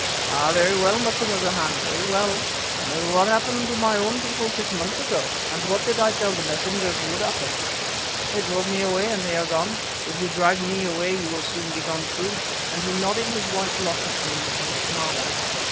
"Ah, very well, Macumazahn, very well; but what happened to my own people six months ago, and what did I tell the messengers would happen? They drove me away, and they are gone. If you drive me away you will soon be gone too," and he nodded his white lock at me and smiled.